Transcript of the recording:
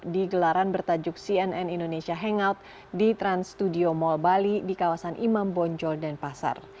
di gelaran bertajuk cnn indonesia hangout di trans studio mall bali di kawasan imam bonjol dan pasar